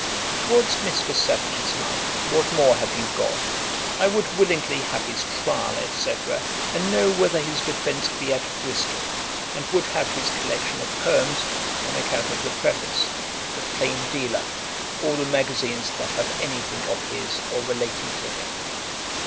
'Towards Mr. Savage's Life what more have you got? I would willingly have his trial, &c., and know whether his defence be at Bristol, and would have his collection of poems, on account of the Preface. The Plain Dealer, all the magazines that have anything of his, or relating to him.